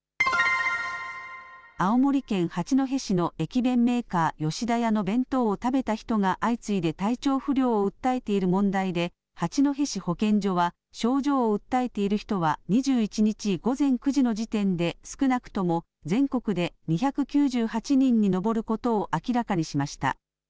青森県八戸市の駅弁メーカー、吉田屋の弁当を食べた人が相次いで体調不良を訴えている問題で、八戸市保健所は症状を訴えている人は２１日午前９時の時点で、少なくとも全国で２９８人に上ることを明らかにしました。